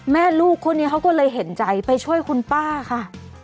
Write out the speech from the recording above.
แม่ลูกคนนี้เขาก็เลยเห็นใจไปช่วยคุณป้าค่ะ